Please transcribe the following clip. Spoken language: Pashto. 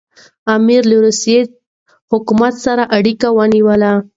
امیر له روسي حکومت سره اړیکي ونیولې.